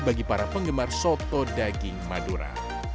bagi para penggemar soto daging madura